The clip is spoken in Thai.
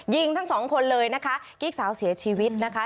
ทั้งสองคนเลยนะคะกิ๊กสาวเสียชีวิตนะคะ